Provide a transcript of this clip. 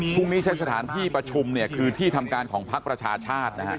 พรุ่งนี้ใช้สถานที่ประชุมเนี่ยคือที่ทำการของพักประชาชาตินะฮะ